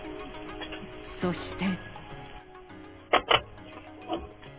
そして。